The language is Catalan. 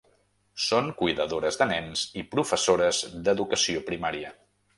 Són cuidadores de nens i professores d'educació primària.